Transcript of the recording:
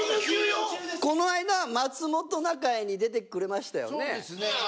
この間松本中居に出てくれましたよね。